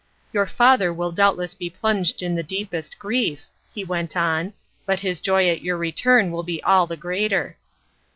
"Your father will doubtless be plunged in the deepest grief," he went on, "but his joy at your return will be all the greater."